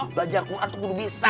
belajar qur'an tuh belum bisa